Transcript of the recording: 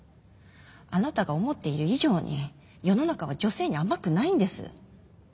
あなたが思っている以上に世の中は女性に甘くないんです。